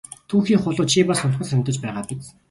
Түүхий хулуу чи бас унтмаар санагдаж байгаа биз!